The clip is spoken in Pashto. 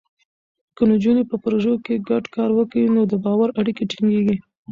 که نجونې په پروژو کې ګډ کار وکړي، نو د باور اړیکې ټینګېږي.